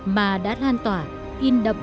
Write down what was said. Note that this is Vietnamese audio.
mà đã lan tỏa in đậm dấu ấn